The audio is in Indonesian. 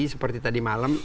seperti tadi malam